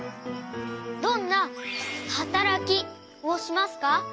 どんなはたらきをしますか？